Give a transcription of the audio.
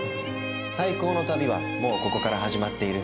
［最高の旅はもうここから始まっている］